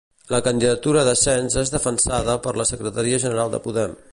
La candidatura d'Asens és defensada per la secretària general de Podem.